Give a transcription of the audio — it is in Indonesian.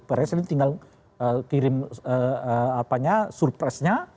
presiden tinggal kirim surpresenya